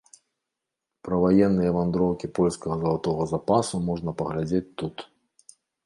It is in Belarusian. Пра ваенныя вандроўкі польскага залатога запасу можна паглядзець тут.